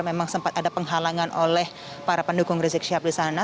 memang sempat ada penghalangan oleh para pendukung rizik syihab di sana